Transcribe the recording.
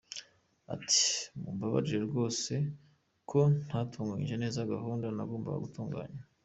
Ati “Mumbabarire rwose ko ntatunganyije neza gahunda nagombaga gutunganya.